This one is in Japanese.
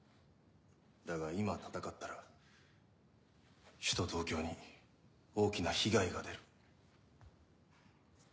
だが今戦ったら首都東京に大きな被害が出る。